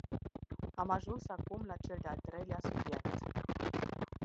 Am ajuns acum la cel de-al treilea subiect.